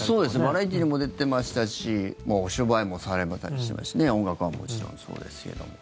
バラエティーにも出てましたしお芝居もされてましたし音楽はもちろんそうですけども。